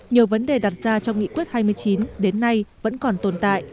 nhiều vấn đề đặt ra trong nghị quyết hai mươi chín đến nay vẫn còn tồn tại